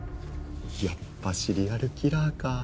やっぱシリアルキラーか。